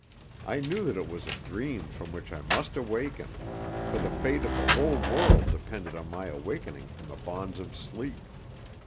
I knew that it was a dream from which I must awaken, for the fate of the whole world depended on my awakening from the bonds of sleep.